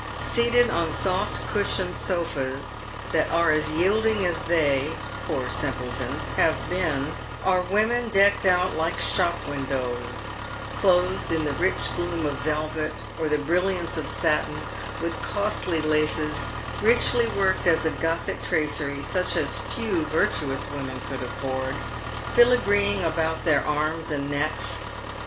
Seated on soft cushioned sofas that are as yielding as they — poor simpletons — have been, are women decked out like shop windows, clothed in the rich gloom of velvet or the brilliance of satin, with costly laces — richly worked as a Gothic tracery, such as few virtuous women could afford — filagreeing about their arms and necks.